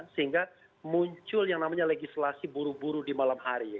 sehingga muncul yang namanya legislasi buru buru di malam hari